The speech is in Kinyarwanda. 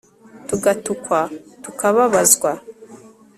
tugatukwa tukababazwa